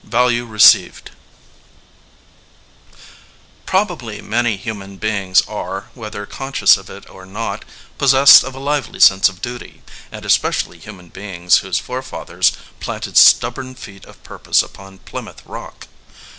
6 V VALUE RECEIVED PROBABLY many human beings are, whether conscious of it or not, possessed of a lively sense of duty, and especially human beings whose forefathers planted stubborn feet of purpose upon Plymouth Rock.